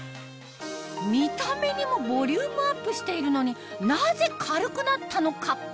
見た目にもボリュームアップしているのになぜ軽くなったのか？